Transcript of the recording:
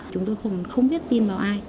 chúng tôi không biết tin vào ai